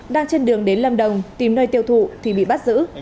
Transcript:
đang trên đường đến lâm đồng tìm nơi tiêu thụ thì bị bắt giữ